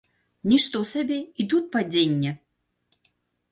Нішто сабе, і тут падзенне!